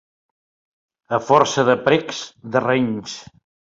A força de precs, de renys.